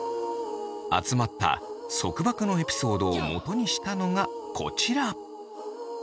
集まった束縛のエピソードをもとにしたのがこちら。